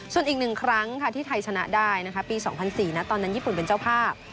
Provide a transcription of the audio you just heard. ส่วนอีก๑ครั้งที่ไทยชนะได้ปี๒๐๐๔ตอนนั้นญี่ปุ่นเป็นเจ้าภาพ